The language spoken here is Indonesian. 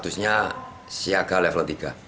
harusnya siaga level tiga